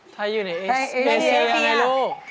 ไทยอยู่ในไหนลูก